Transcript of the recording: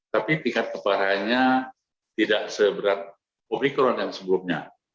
tapi tingkat keparahannya tidak seberat omikron yang sebelumnya